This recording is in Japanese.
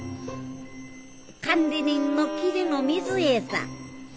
管理人の桐野みづえさん。